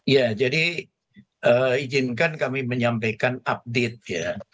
ya jadi izinkan kami menyampaikan update ya